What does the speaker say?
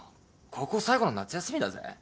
高校最後の夏休みだぜ！？